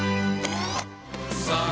ああ。